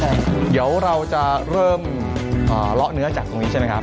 เดี๋ยวเราจะเริ่มเลาะเนื้อจากตรงนี้ใช่ไหมครับ